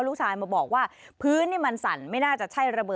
นึกว่าเกิดอะไรขึ้นครับ